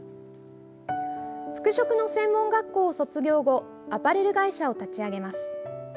服飾の専門学校を卒業後アパレル会社を立ち上げます。